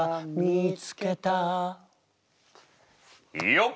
よっ！